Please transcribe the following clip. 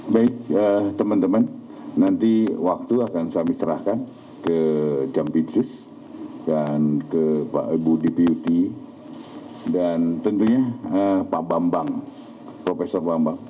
baik teman teman nanti waktu akan saya misrahkan ke jampi jus dan ke pak ibu deputi dan tentunya pak bambang profesor bambang